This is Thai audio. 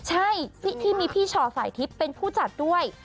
ใช่ที่มีพี่ช่อสายทิพย์เป็นผู้จัดด้วย